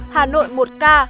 hà nội một ca